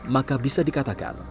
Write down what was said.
maka bisa dikatakan